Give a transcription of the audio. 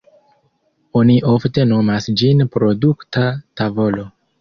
Oni ofte nomas ĝin produkta tavolo.